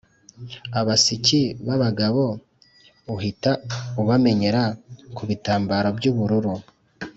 abasiki b’abagabo uhita ubamenyera ku bitambaro by’ubururu